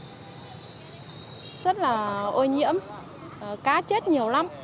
rất là ô nhiễm cá chết nhiều lắm